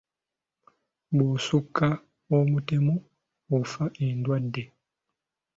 Bw’osukka omutemu ofa endwadde!